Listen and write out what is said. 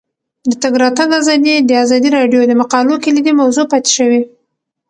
د تګ راتګ ازادي د ازادي راډیو د مقالو کلیدي موضوع پاتې شوی.